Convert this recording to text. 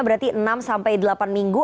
berarti enam sampai delapan minggu